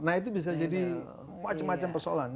nah itu bisa jadi macam macam persoalan